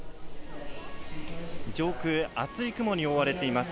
上空、厚い雲に覆われています。